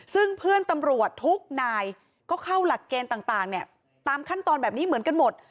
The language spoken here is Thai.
ซึ่งเพื่อนตำรวจทุกนายก็เข้าหลักเกณฑ์ต่างตามขั้นตอนแบบนี้เหมือนกันหมด